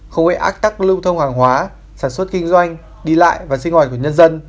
không gây ác tắc lưu thông hàng hóa sản xuất kinh doanh đi lại và sinh hoạt của nhân dân